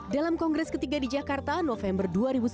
dalam kongres ketiga di jakarta november dua ribu sembilan belas